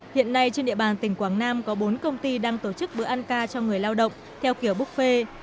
hiện nay trên địa bàn tỉnh quảng nam có bốn công ty đang tổ chức bữa ăn ca cho người lao động theo kiểu buffet